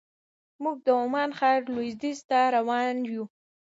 موږ د عمان ښار لویدیځ کې روان یو.